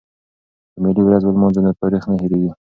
که ملي ورځ ولمانځو نو تاریخ نه هیریږي.